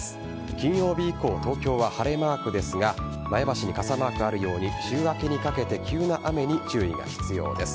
金曜日以降東京は晴れマークですが前橋に傘マークがあるように週明けにかけて急な雨に注意が必要です。